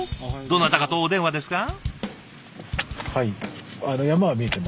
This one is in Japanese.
どなたかとお電話ですか？